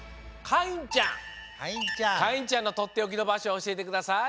かいんちゃんのとっておきのばしょおしえてください。